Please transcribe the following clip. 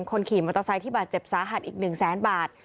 คนขี่มอเตอร์ไซค์ที่บาดเจ็บสาหัสอีก๑แสนบาท